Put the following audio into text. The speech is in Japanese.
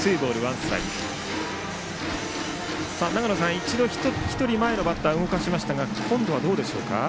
一度、１人前のバッター動かしましたが今度は、どうでしょうか？